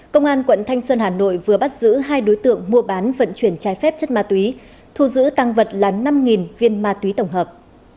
công an quận thanh xuân hà nội vừa bắt giữ hai đối tượng mua bán vận chuyển trái phép chất ma túy thu giữ tăng vật là năm viên ma túy tổng hợp